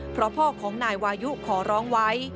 เพราะพ่อของนายวายุขอร้องไว้